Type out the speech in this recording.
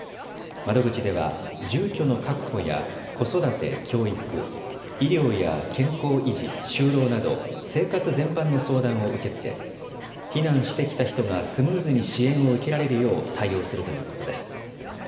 窓口では、住居の確保や子育て・教育、医療や健康維持、就労など生活全般の相談を受け付け、避難してきた人がスムーズに支援を受けられるよう対応するということです。